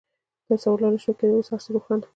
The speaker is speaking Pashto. تصور لا نه شوای کېدای، اوس هر څه روښانه.